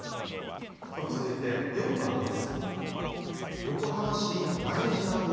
続いて４番です。